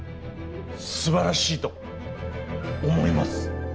すばらしいと思います。